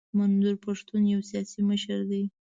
منظور پښتین یو سیاسي مشر دی.